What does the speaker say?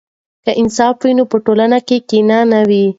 که انصاف وي نو په ټولنه کې کینه نه وي.